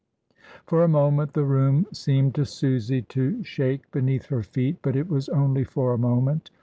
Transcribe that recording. For a moment the room seemed to Susy to shake beneath her feet, but it was only for a moment.